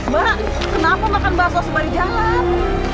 mak kenapa makan bakso sembari jalan